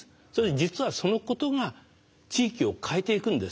実はそのことが地域を変えていくんですよ。